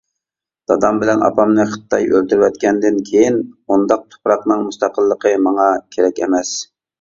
دادام بىلەن ئاپامنى خىتاي ئۆلتۈرۈۋەتكەندىن كېيىن، ئۇنداق تۇپراقنىڭ مۇستەقىللىقى ماڭا كېرەك ئەمەس!